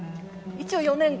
一応４年間。